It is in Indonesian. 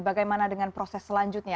bagaimana dengan proses selanjutnya